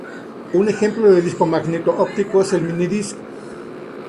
Un ejemplo de disco magneto-óptico es el MiniDisc.